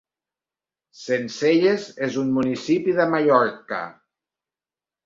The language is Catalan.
Sencelles és un municipi de Mallorca.